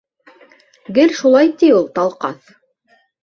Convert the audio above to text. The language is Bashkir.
— Гел шулай, ти, ул Талҡаҫ.